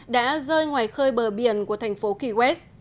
đã rơi ngoài khơi bờ biển của thành phố key west